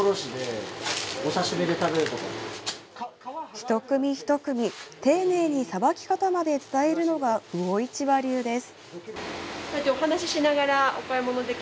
ひと組ひと組丁寧にさばき方まで伝えるのが魚市場流です。